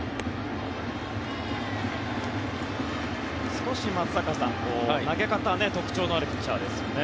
少し松坂さん、投げ方特徴のあるピッチャーですね。